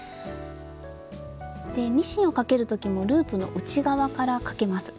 ミシンをかける時もループの内側からかけます。